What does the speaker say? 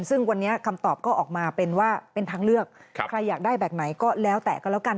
ซึ่งวันนี้คำตอบก็ออกมาเป็นว่าเป็นทางเลือกใครอยากได้แบบไหนก็แล้วแต่ก็แล้วกัน